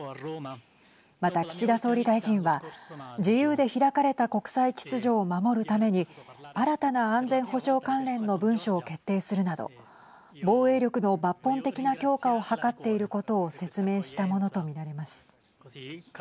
また、岸田総理大臣は自由で開かれた国際秩序を守るために新たな安全保障関連の文書を決定するなど防衛力の抜本的な強化を図っていることを説明したものと見られます。